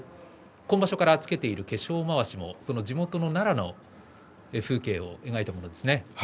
今場所から着けている化粧まわしも地元の奈良の風景を描いたものですね。